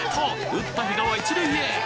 打った比嘉は１塁へ！